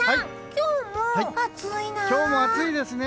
今日も暑いですね。